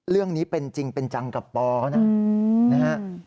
เรื่องนี้เป็นจริงเป็นจังกับปอเขานะนะฮะ